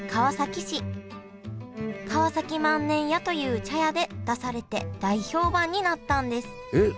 河崎万年屋という茶屋で出されて大評判になったんですえっ